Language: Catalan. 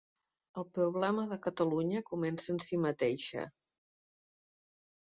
El problema de Catalunya comença en si mateixa.